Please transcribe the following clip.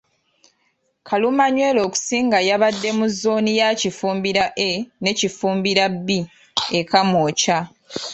Kalumanywera okusinga yabadde mu zzooni ya Kifumbira A ne Kifumbira B e Kamwokya.